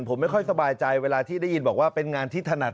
ผมไม่ค่อยสบายใจเวลาที่ได้ยินบอกว่าเป็นงานที่ถนัด